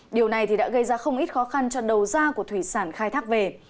điều này đã gây ra không ít khó khăn cho đầu ra của thủy sản khai thác về